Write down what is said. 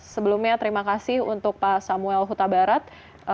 sebelumnya terima kasih untuk pak samuel hutabarat